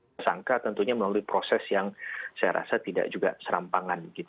tersangka tentunya melalui proses yang saya rasa tidak juga serampangan